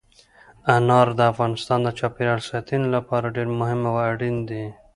انار د افغانستان د چاپیریال ساتنې لپاره ډېر مهم او اړین دي.